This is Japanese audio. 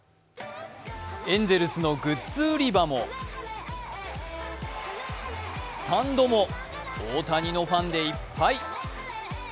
エンゼルスのグッズ売り場もスタンドも大谷のファンでいっぱい。